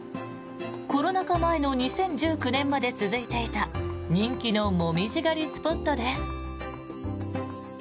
コロナ禍前の２０１９年まで続いていた人気のモミジ狩りスポットです。